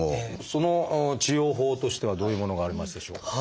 その治療法としてはどういうものがありますでしょうか？